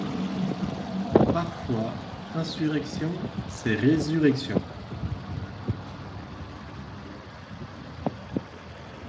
Parfois, insurrection, c’est résurrection.